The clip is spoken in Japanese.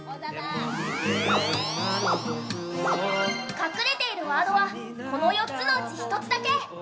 隠れているワードはこの４つのうち１つだけ。